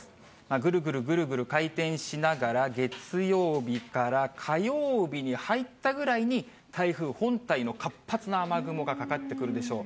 ぐるぐるぐるぐる回転しながら、月曜日から火曜日に入ったぐらいに、台風本体の活発な雨雲がかかってくるでしょう。